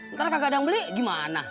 ntar kagak ada yang beli gimana